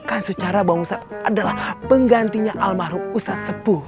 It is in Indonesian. kan secara bang ustad adalah penggantinya al mahrum ustad sepuh